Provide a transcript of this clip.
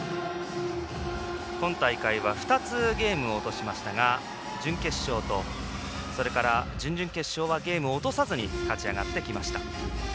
今大会は２つゲームを落としましたが準決勝とそれから、準々決勝はゲームを落とさず勝ち上がってきました。